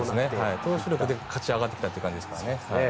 投手力で勝ち上がってきたという感じです。